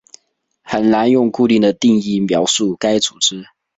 很难用固定的定义描述该组织。